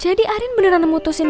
jadi arin beneran memutuskan